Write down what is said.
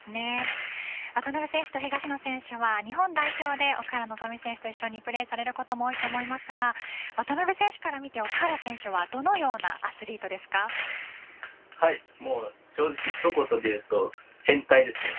渡辺選手と東野選手は日本代表で奥原希望選手と一緒にプレーされることも多いですが渡辺選手から見て奥原選手は正直、一言で言うと変態ですね。